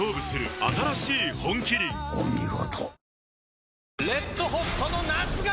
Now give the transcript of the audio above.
お見事。